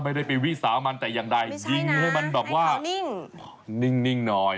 ไม่ได้ไปวิสามันแต่อย่างใดยิงให้มันแบบว่านิ่งหน่อย